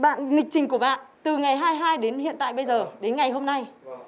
bạn nghịch trình của bạn từ ngày hai mươi hai đến hiện tại bây giờ đến ngày hôm nay